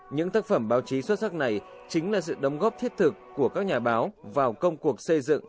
những tác phẩm báo chí xuất sắc này chính là sự đóng góp thiết thực của các nhà báo vào công cuộc xây dựng